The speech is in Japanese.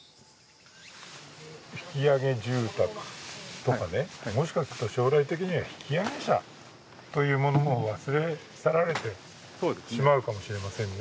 引揚住宅とか、もしかすると将来的には引揚者というものも忘れ去られてしまうかもしれませんね。